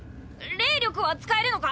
霊力は使えるのか！？